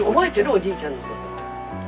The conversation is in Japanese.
おじいちゃんのこと」。